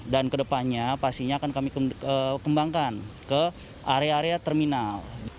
dan kedepannya pastinya akan kami kembangkan ke area area terminal